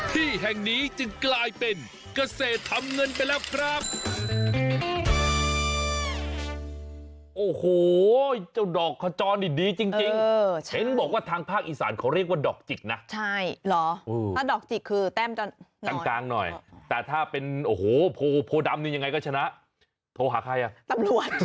ที่แห่งนี้จึงกลายเป็นเกษตรทำเงินไปแล้วครับ